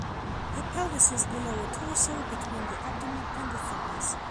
The pelvis is the lower torso, between the abdomen and the thighs.